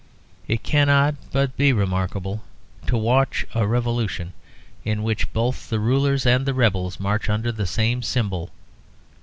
It cannot but be remarkable to watch a revolution in which both the rulers and the rebels march under the same symbol.